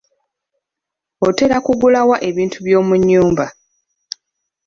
Otera kugula wa ebintu by'omunyumba?